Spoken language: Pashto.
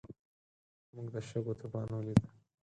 موږ د شګو طوفان ولید.